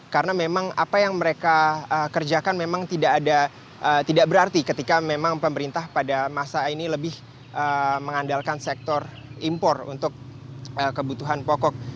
karena memang apa yang mereka kerjakan memang tidak berarti ketika memang pemerintah pada masa ini lebih mengandalkan sektor impor untuk kebutuhan pokok